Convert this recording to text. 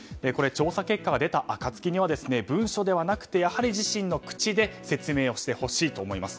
調査結果が出たあかつきには文書ではなくやはり自身の口で説明をしてほしいと思います。